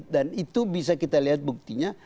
dan itu bisa kita lihat buktinya